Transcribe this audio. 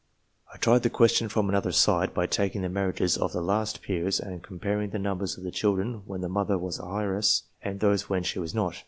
I tried the question from another side, by taking the marriages of the last peers and comparing the numbers of the children when the mother was an heiress with those when she was not.